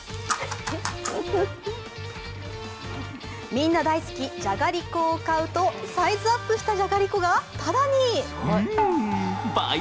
みんな大好き、じゃがりこを買うとサイズアップしたじゃがりこがただに。